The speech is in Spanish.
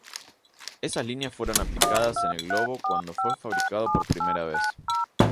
Esas líneas fueron aplicadas en el globo cuando fue fabricado por primera vez.